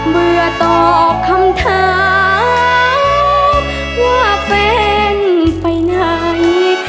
เมื่อตอบคำถามว่าแฟนไปไหน